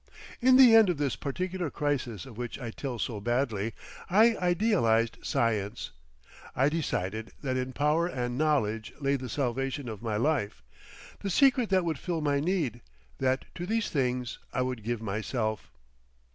In the end of this particular crisis of which I tell so badly, I idealised Science. I decided that in power and knowledge lay the salvation of my life, the secret that would fill my need; that to these things I would give myself.